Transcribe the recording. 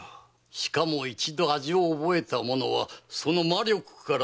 しかも一度味を覚えた者はその魔力から抜けられなくなる。